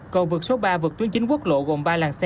cầu vượt số ba vượt tuyến chính quốc lộ gồm ba làng xe